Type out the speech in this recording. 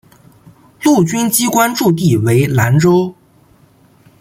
陆军机关驻地为兰州。